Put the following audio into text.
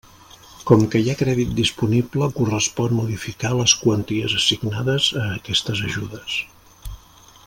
Com que hi ha crèdit disponible correspon modificar les quanties assignades a aquestes ajudes.